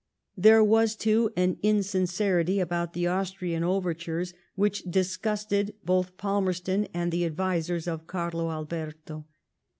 There was^ too, an insincerity about the Austrian overtures which disgusted both Palmerston and the advisers of Carlo Alberto.